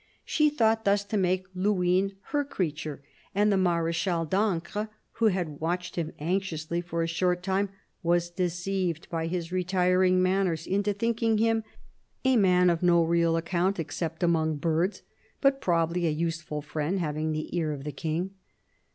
She thought thus to make Luynes her creature ; and the Marechal d'Ancre, who had watched him anxiously for a short time, was deceived by his retiring manners into thinking him a man of no real account except among birds, but probably a useful friend, having the ear of the King.